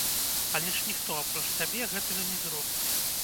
Але ж ніхто, апроч цябе, гэтага не зробіць.